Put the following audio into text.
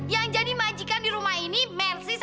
yang jadi majikan di rumah ini mercy sama om maafin saya